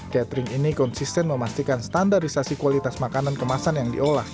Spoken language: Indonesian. catering ini konsisten memastikan kompetensi ataudfvideo mw started